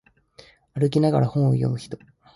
歩きながら本を読む人